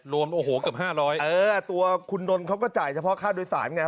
รวมโอ้โหเกือบ๕๐๐เออตัวคุณนนท์เขาก็จ่ายเฉพาะค่าโดยสารไง